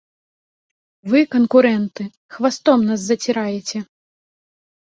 Вы, канкурэнты, хвастом нас заціраеце!